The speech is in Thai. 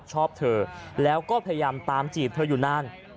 ชอบเธอแล้วก็พยายามตามจีบเธออยู่นาน